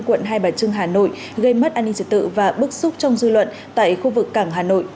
quận hai bà trưng hà nội gây mất an ninh trật tự và bức xúc trong dư luận tại khu vực cảng hà nội